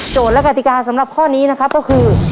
และกติกาสำหรับข้อนี้นะครับก็คือ